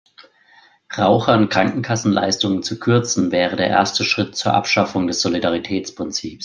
Rauchern Krankenkassenleistungen zu kürzen, wäre der erste Schritt zur Abschaffung des Solidaritätsprinzips.